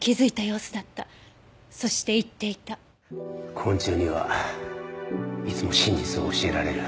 昆虫にはいつも真実を教えられる。